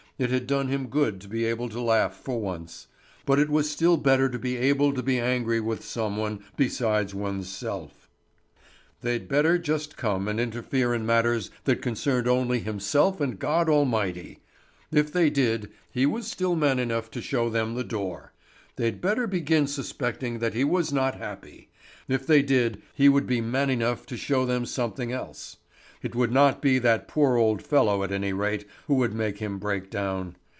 It had done him good to be able to laugh for once; but it was still better to be able to be angry with some one besides one's self. They'd better just come and interfere in matters that concerned only himself and God Almighty! If they did, he was still man enough to show them the door. They'd better begin suspecting that he was not happy! If they did, he would be man enough to show them something else. It would not be that poor old fellow at any rate who would make him break down.